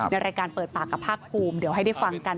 ในรายการเปิดปากกับภาคภูมิเดี๋ยวให้ได้ฟังกัน